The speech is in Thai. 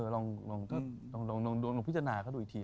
ลองพิจารณาเขาดูอีกที